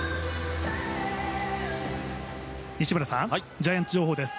ジャイアンツ情報です